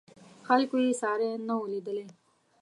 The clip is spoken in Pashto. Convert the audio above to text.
خلکو یې ساری نه و لیدلی.